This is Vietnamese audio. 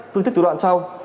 thương thức thủ đoạn sau